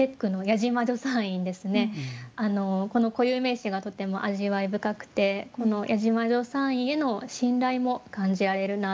この固有名詞がとても味わい深くてこの「矢島助産院」への信頼も感じられるなと思いました。